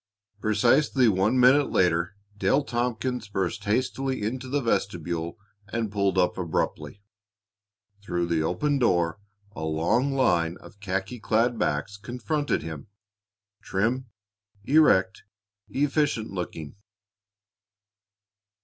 Precisely one minute later Dale Tompkins burst hastily into the vestibule and pulled up abruptly. Through the open door a long line of khaki clad backs confronted him, trim, erect, efficient looking.